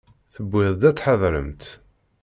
Tewwi-d ad tḥadremt.